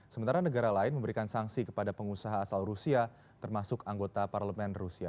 sementara negara lain memberikan sanksi kepada pengusaha asal rusia termasuk anggota parlemen rusia